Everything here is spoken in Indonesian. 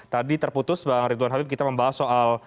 tadi terputus bang ridwan habib kita membahas soal